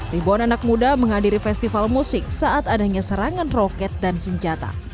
ribuan anak muda menghadiri festival musik saat adanya serangan roket dan senjata